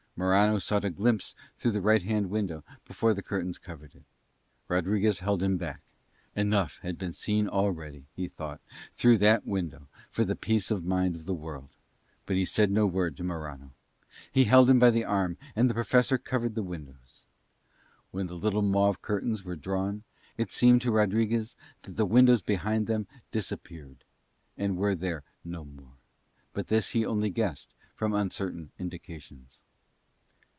Morano sought a glimpse through the right hand window before the curtains covered it. Rodriguez held him back. Enough had been seen already, he thought, through that window for the peace of mind of the world: but he said no word to Morano. He held him by the arm, and the Professor covered the windows. When the little mauve curtains were drawn it seemed to Rodriguez that the windows behind them disappeared and were there no more; but this he only guessed from uncertain indications.